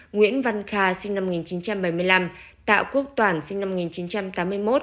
nguyễn văn kha sinh năm một nghìn chín trăm bảy mươi năm tạ quốc toàn sinh năm một nghìn chín trăm tám mươi một